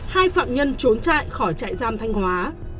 hai phạm nhân trốn trại khỏi trại giam thanh hóa